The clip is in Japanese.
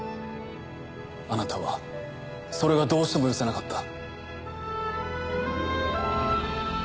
あなたはそれがどうしても許せなかった。